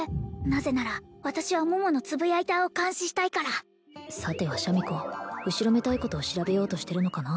なぜなら私は桃のつぶやいたーを監視したいからさてはシャミ子後ろめたいことを調べようとしてるのかな